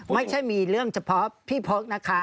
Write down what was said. ไม่ใช่มีเรื่องเฉพาะพี่พกนะคะ